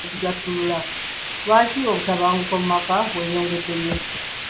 Lwaki obutabanguko mu maka bweyongedde nnyo?